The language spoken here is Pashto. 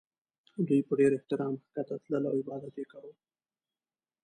دوی په ډېر احترام ښکته تلل او عبادت یې کاوه.